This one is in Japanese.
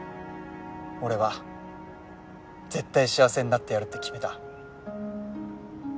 俺は絶対幸せになってやるって決めた。